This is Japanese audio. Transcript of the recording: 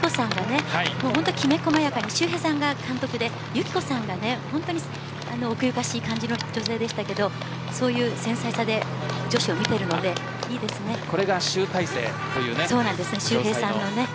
城西は周平さんが監督で有紀子さんが奥ゆかしい感じの女性でしたからそういう繊細さで女子を見ているのでいいですね。